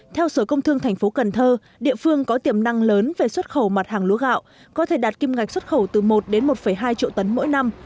theo sở công thương thành phố cần thơ địa phương có tiềm năng lớn về xuất khẩu mặt hàng lúa gạo có thể đạt kim ngạch xuất khẩu từ một đến một hai triệu tấn mỗi năm